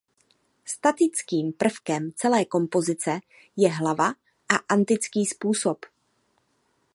Statickým prvkem celé kompozice je hlava na antický způsob.